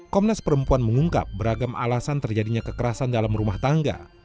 komnas perempuan mengungkap beragam alasan terjadinya kekerasan dalam rumah tangga